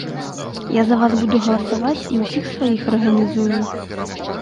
Я за вас буду галасаваць і ўсіх сваіх арганізую.